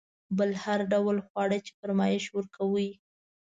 بل هر ډول خواړه چې فرمایش ورکوئ.